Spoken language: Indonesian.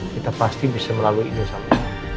kita pasti bisa melalui ini saul